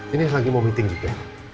ini lagi mau meeting juga